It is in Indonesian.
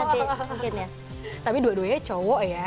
tapi dua duanya cowok ya